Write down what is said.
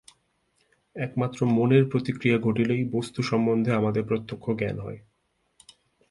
একমাত্র মনের প্রতিক্রিয়া ঘটিলেই বস্তু-সম্বন্ধে আমাদের প্রত্যক্ষ জ্ঞান হয়।